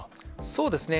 そうですね。